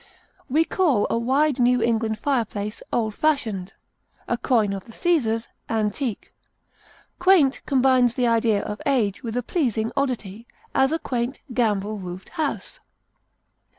We call a wide New England fireplace old fashioned; a coin of the Cæsars, antique. Quaint combines the idea of age with a pleasing oddity; as, a quaint gambrel roofed house.